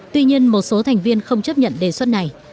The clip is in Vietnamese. tuy nhiên một số thành viên không chấp nhận đề xuất này